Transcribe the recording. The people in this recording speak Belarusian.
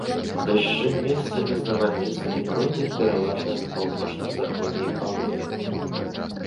Дажджы, месцамі з навальніцамі, пройдуць пераважна па паўночна-заходняй палове.